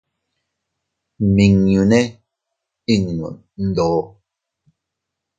Nmimñune iʼnno ndoo.